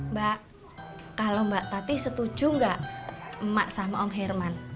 mbak kalau mbak tati setuju nggak emak sama om herman